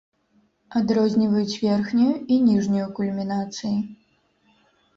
Адрозніваюць верхнюю і ніжнюю кульмінацыі.